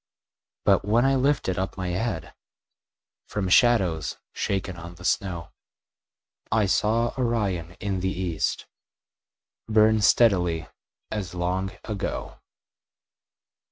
But when I lifted up my head From shadows shaken on the snow, I saw Orion in the east Burn steadily as long ago.